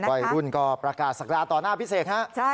วัยรุ่นก็ประกาศศักดาต่อหน้าพิเศษฮะ